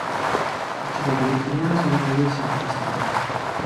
Dicho barrio tenía una sola calle sin asfaltar.